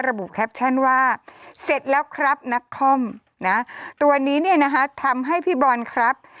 ระบุแคปชั่นว่าเสร็จแล้วครับนักคอมนะตัวนี้เนี่ยนะคะทำให้พี่บอลครับ